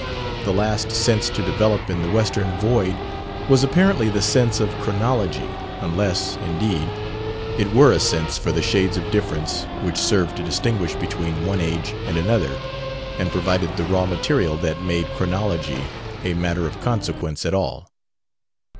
The last sense to develop in the Western void was apparently the sense of chronology unless, indeed, it were a sense for the shades of difference which served to distinguish between one age and another and provided the raw material that made chronology a matter of consequence at all.